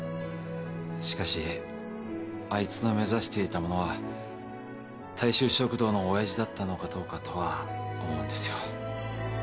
しかしあいつが目指していたものは大衆食堂のオヤジだったのかどうかとは思うんですよ